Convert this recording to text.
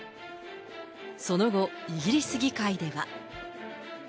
その後、イギリス議会では。